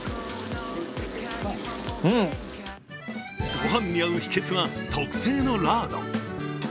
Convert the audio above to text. ご飯に合う秘けつは特性のラード。